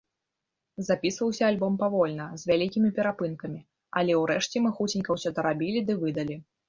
Запісваўся альбом павольна, з вялікімі перапынкамі, але ўрэшце мы хуценька ўсё дарабілі ды выдалі.